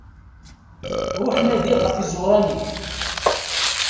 Ruḥ nadi ɣef yiẓuran-ik.